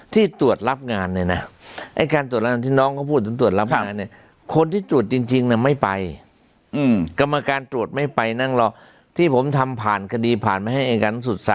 ที่ตรวจรับงานเนี่ยนะ